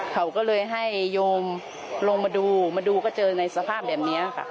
เขาก็เลยให้โยมลงมาดูมาดูก็เจอในสภาพแบบนี้ค่ะ